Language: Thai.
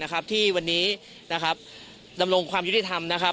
นะครับที่วันนี้นะครับดำลงความยุโธริทธรร์นะครับ